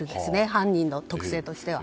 犯人の特性としては。